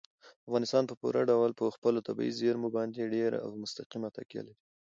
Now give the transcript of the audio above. افغانستان په پوره ډول په خپلو طبیعي زیرمو باندې ډېره او مستقیمه تکیه لري.